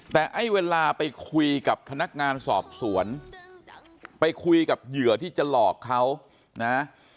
แต่ไอ้เวลาไปคุยกับพนักงานสอบสวนไปคุยกับเหยื่อที่จะหลอกเขานะ